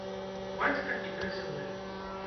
Бацька і тры сыны.